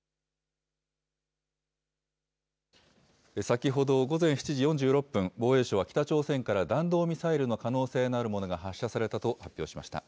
先ほど午前７時４６分、防衛省は北朝鮮から弾道ミサイルの可能性のあるものが発射されたと発表しました。